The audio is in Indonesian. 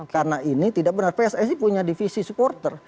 karena ini tidak benar pssi punya divisi supporter